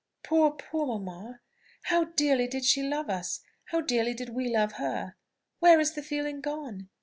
Poor, poor mamma! how dearly did she love us! how dearly did we love her! Where is the feeling gone?